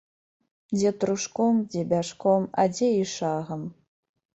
Дзе трушком, дзе бяжком, а дзе й шагам.